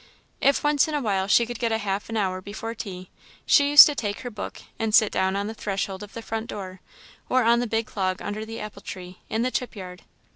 If once in a while she could get half an hour before tea, she used to take her book and sit down on the threshold of the front door, or on the big log under the apple tree, in the chip yard.